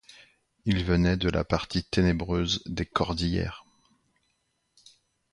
Ils venaient de la partie ténébreuse des Cordillères.